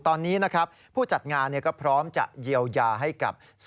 ตอนนี้นะครับผู้จัดงานก็พร้อมจะเยียวยาให้กับ